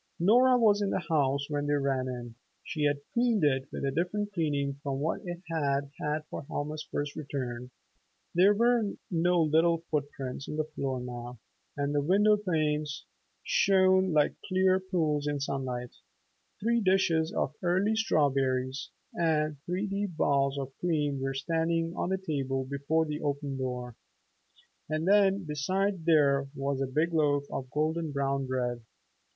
Nora was in the house when they ran in. She had cleaned it with a different cleaning from what it had had for Helma's first return. There were no little foot prints on the floor now, and the window panes shone like clear pools in sunlight. Three dishes of early strawberries and three deep bowls of cream were standing on the table before the open door. And then besides there was a big loaf of golden brown bread.